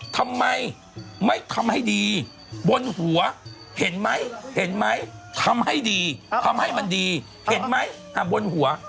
ทำไมไม่ทำให้ดีบนหัวเห็นไหมเห็นไหมทำให้ดีทำให้มันดีเห็นไหมบนหัว